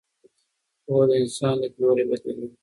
پوهه د انسان لید لوری بدلوي.